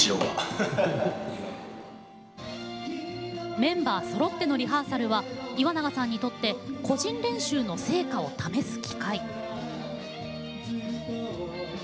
メンバーそろってのリハーサルは岩永さんにとって個人練習の成果を試す機会。